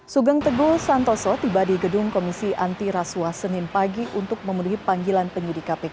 sugeng teguh santoso tiba di gedung komisi anti rasuah senin pagi untuk memenuhi panggilan penyidik kpk